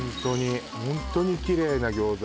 ホントにきれいな餃子